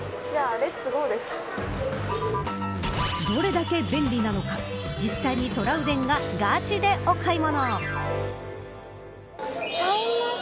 どれだけ便利なのか実際にトラウデンががちでお買い物。